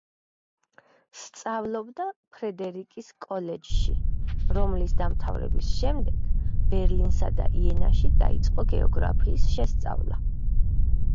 სწავლობდა ფრედერიკის კოლეჯში, რომლის დამთავრების შემდეგ ბერლინსა და იენაში დაიწყო გეოგრაფიის შესწავლა.